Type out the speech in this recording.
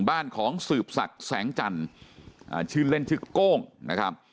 บ้านของสืบศักดิ์แสงจันทร์ชื่อเล่นชื่อโก้งนะครับ